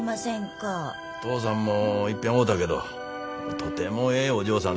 父さんもいっぺん会うたけどとてもええお嬢さん。